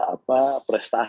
apa kader nasdem dipulih